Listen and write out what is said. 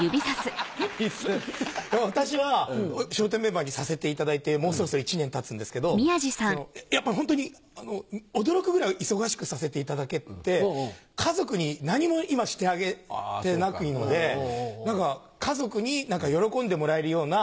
私は笑点メンバーにさせていただいてもうそろそろ１年たつんですけどやっぱホントに驚くぐらい忙しくさせていただけて家族に何も今してあげてないので何か家族に喜んでもらえるような。